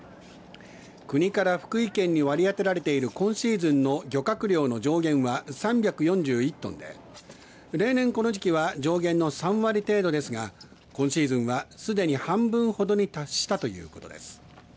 国から福井県に割り当てられている今シーズンの漁獲量の上限は３４１トンで例年この時期は上限の３割程度ですが今シーズンは、すでに半分ほどに達したということです。